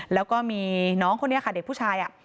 แล้วก็มีน้องคนนี้ค่ะเด็กผู้ชาย